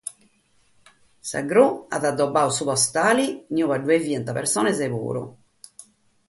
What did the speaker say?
Sa gru at corpàdu su postale in ue bi fiant persones puru.